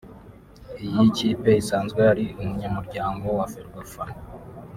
Iyi kipe isanzwe ari umunyamuryango wa Ferwafa